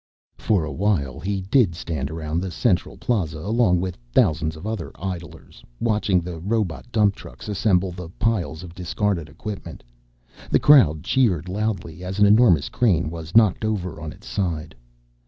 For a while he did stand around the Central Plaza along with thousands of other idlers, watching the robot dump trucks assemble the piles of discarded equipment. The crowd cheered loudly as an enormous crane was knocked over on its side.